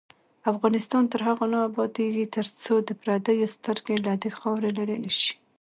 افغانستان تر هغو نه ابادیږي، ترڅو د پردیو سترګې له دې خاورې لرې نشي.